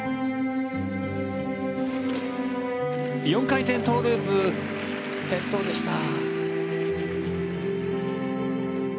４回転トウループ転倒でした。